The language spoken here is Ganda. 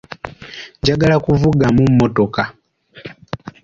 Njagala kuvuga mu mmotoka.